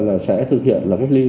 là sẽ thực hiện là cách ly